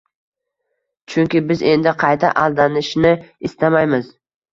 Chunki biz endi qayta aldanishni istamaymiz!